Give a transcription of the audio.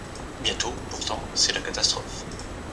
Bientôt, pourtant, c’est la catastrophe.